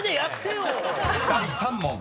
［第３問］